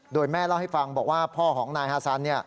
โดยแม่เล่าให้ฟังบอกว่าพ่อของนายฮาซัน